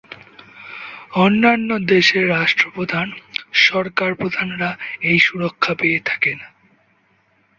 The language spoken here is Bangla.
অন্যান্য দেশের রাষ্ট্রপ্রধান, সরকার প্রধানরা এই সুরক্ষা পেয়ে থাকেন।